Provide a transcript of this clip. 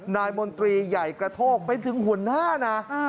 มนตรีใหญ่กระโทกเป็นถึงหัวหน้านะ